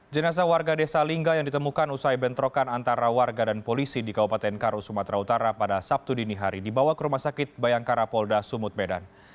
jenazah warga desa lingga yang ditemukan usai bentrokan antara warga dan polisi di kabupaten karo sumatera utara pada sabtu dini hari dibawa ke rumah sakit bayangkara polda sumut medan